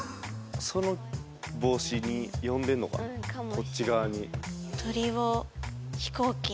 その防止に呼んでんのかなこっち側に。